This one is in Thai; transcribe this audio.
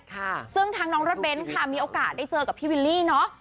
ค่ะซึ่งทางน้องรถเบ้นค่ะมีโอกาสได้เจอกับพี่วิลลี่เนอะ